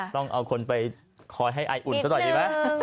ต้องเอาคนไปคอยให้ไออุ่นซะหน่อยดีไหม